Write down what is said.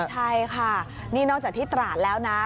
ใช่ค่ะนี่นอกจากที่ตราดแล้วนะ